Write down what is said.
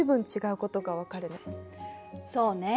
そうね。